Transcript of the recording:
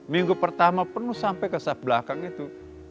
minggu pertama penuh sampai ke saf belakang itu